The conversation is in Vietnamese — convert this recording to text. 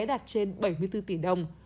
đạt trên bảy mươi bốn tỷ đồng